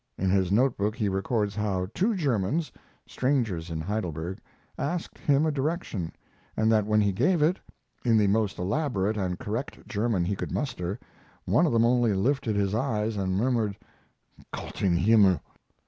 In his note book he records how two Germans, strangers in Heidelberg, asked him a direction, and that when he gave it, in the most elaborate and correct German he could muster, one of them only lifted his eyes and murmured: "Gott im Himmel!"